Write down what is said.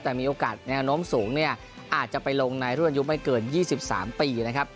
แต่มีโอกาสแนวโน้มสูงเนี่ยอาจจะไปลงในรุ่นอายุไม่เกิน๒๓ปีนะครับ